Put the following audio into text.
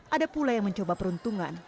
ada pula yang mencoba peruntungan